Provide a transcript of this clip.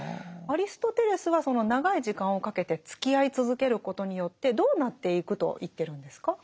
アリストテレスはその長い時間をかけてつきあい続けることによってどうなっていくと言ってるんですか？